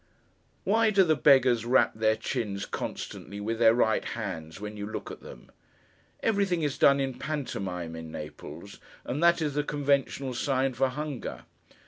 Why do the beggars rap their chins constantly, with their right hands, when you look at them? Everything is done in pantomime in Naples, and that is the conventional sign for hunger.